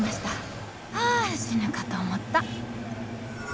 はあ死ぬかと思った。